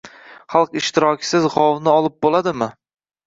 Xalqning ishtirokisiz g‘ovni olib bo‘ladimi?